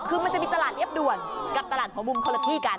คือมันจะมีตลาดเรียบด่วนกับตลาดหัวมุมคนละที่กัน